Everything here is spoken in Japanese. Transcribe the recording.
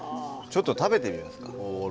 ちょっと食べてみますか？